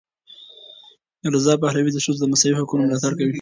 رضا پهلوي د ښځو د مساوي حقونو ملاتړ کوي.